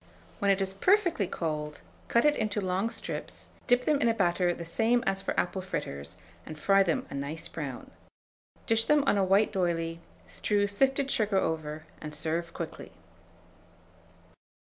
When it is perfectly cold, cut it into long strips, dip them in a batter the same as for apple fritters, and fry them a nice brown. Dish them on a white d'oyley, strew sifted sugar over, and serve quickly.